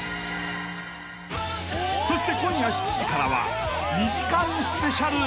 ［そして今夜７時からは２時間スペシャル］